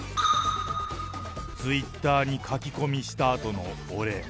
ツイッターに書き込みしたあとのオレ。